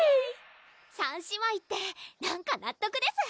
３姉妹ってなんか納得です